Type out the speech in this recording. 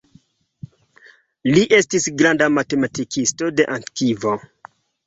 Li estis granda matematikisto de antikvo.